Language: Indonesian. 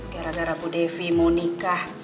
gara gara bu devi mau nikah